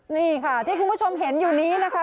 นี่ค่ะที่คุณผู้ชมเห็นอยู่นี้นะคะ